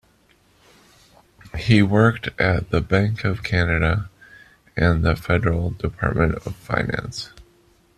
He worked at the Bank of Canada and the Federal Department of Finance.